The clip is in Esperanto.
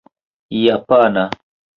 japana